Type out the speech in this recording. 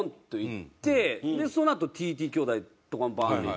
そのあとＴＴ兄弟とかもバーンっていって。